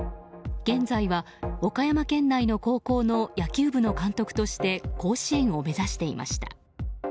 現在は岡山県内の高校の野球部の監督として甲子園を目指していました。